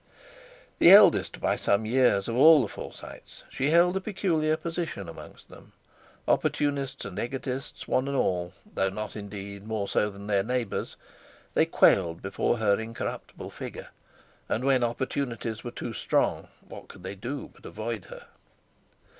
The eldest by some years of all the Forsytes, she held a peculiar position amongst them. Opportunists and egotists one and all—though not, indeed, more so than their neighbours—they quailed before her incorruptible figure, and, when opportunities were too strong, what could they do but avoid her!